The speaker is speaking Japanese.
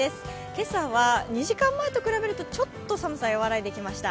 今朝は２時間前と比べるとちょっと寒さやわらいできました。